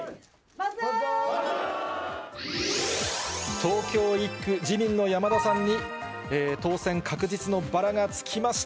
東京１区、自民の山田さんに、当選確実のバラがつきました。